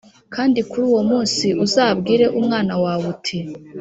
Kandi kuri uwo munsi uzabwire umwana wawe uti